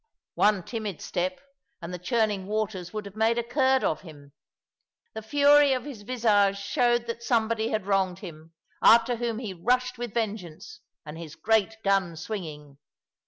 One timid step, and the churning waters would have made a curd of him. The fury of his visage showed that somebody had wronged him, after whom he rushed with vengeance, and his great gun swinging.